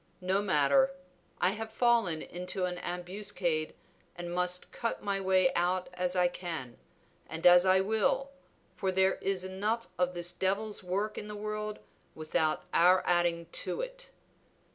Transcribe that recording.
No matter, I have fallen into an ambuscade and must cut my way out as I can, and as I will, for there is enough of this Devil's work in the world without our adding to it."